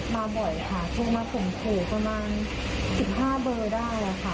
มาบ่อยค่ะถึงมาสมโขประมาณ๑๕เบอร์ได้ค่ะ